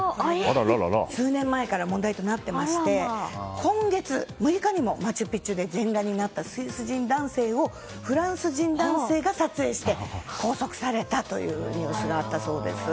数年前から問題となっていて今月６日にもマチュピチュで全裸になったスイス人男性をフランス人男性が撮影して拘束されたというニュースがあったそうです。